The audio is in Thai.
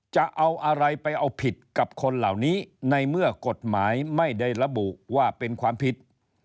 จะเอาอะไรไปเอาผิดกับคนเหล่านี้ในเมื่อกฎหมายไม่ได้ระบุว่าเป็นความผิด